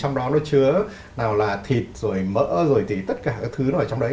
nó chứa nào là thịt mỡ tất cả các thứ ở trong đấy